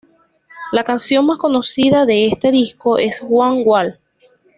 La canción más conocida de este disco es "One goal".